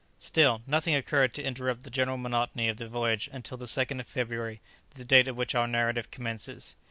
Still, nothing occurred to interrupt the general monotony of the voyage until the 2nd of February, the date at which our narrative commences.